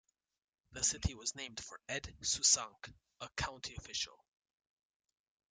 The city was named for Ed Susank, a county official.